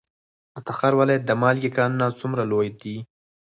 د تخار ولایت د مالګې کانونه څومره لوی دي؟